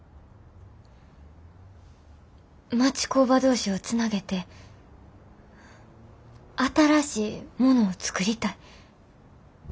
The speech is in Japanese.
町工場同士をつなげて新しいものを作りたい。